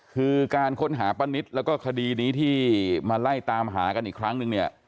คือการค้นหาป้านิตแล้วก็คดีนี้ที่มาไล่ตามหากันอีกครั้งนึงเนี่ย